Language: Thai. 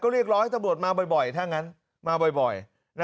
เรียกร้องให้ตำรวจมาบ่อยถ้างั้นมาบ่อย